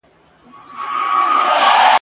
عزرائیل مي دی ملګری لکه سیوری ..